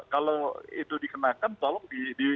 kalau itu dikenakan tolong